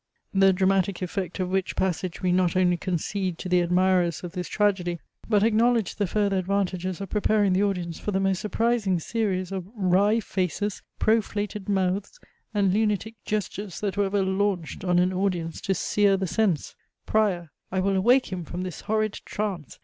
The dramatic effect of which passage we not only concede to the admirers of this tragedy, but acknowledge the further advantages of preparing the audience for the most surprising series of wry faces, proflated mouths, and lunatic gestures that were ever "launched" on an audience to "sear the sense." "PRIOR. I will awake him from this horrid trance.